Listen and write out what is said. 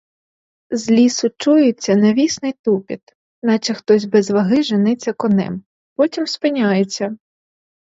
З лісу чується навісний тупіт, наче хтось без ваги женеться конем, потім спиняється.